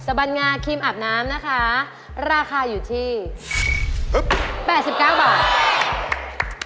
บันงาครีมอาบน้ำนะคะราคาอยู่ที่๘๙บาท